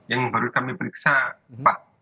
yang baru kami periksa empat